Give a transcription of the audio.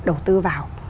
đầu tư vào